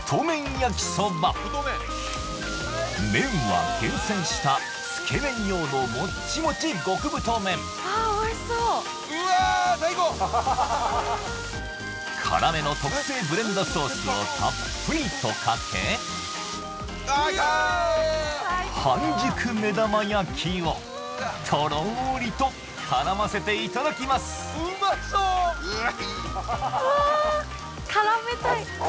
焼きそば麺は厳選したつけ麺用のもっちもち極太麺辛めの特製ブレンドソースをたっぷりとかけ半熟目玉焼きをとろりと絡ませていただきますうわ！